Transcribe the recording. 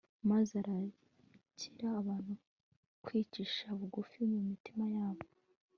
maze ararikira abantu kwicisha bugufi mu mitima yabo